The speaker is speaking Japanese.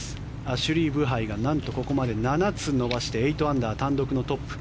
アシュリー・ブハイが何とここまで７つ伸ばして８アンダー、単独のトップ。